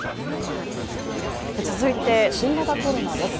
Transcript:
続いて新型コロナです